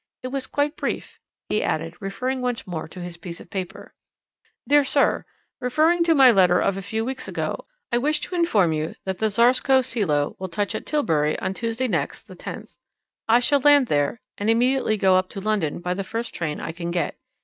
It was quite brief," he added, referring once more to his piece of paper. "'Dear Sir, Referring to my letter of a few weeks ago, I wish to inform you that the Tsarskoe Selo will touch at Tilbury on Tuesday next, the 10th. I shall land there, and immediately go up to London by the first train I can get.